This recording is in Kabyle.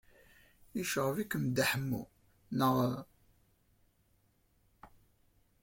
Yecɣeb-ikem Dda Ḥemmu, naɣ?